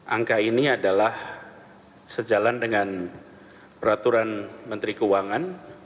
angka ini adalah sejalan dengan peraturan menteri keuangan